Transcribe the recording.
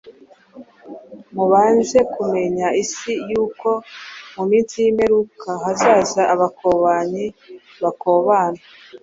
Mubanze kumenya isi, yuko mu minsi y’imperuka hazaza abakobanyi bakobana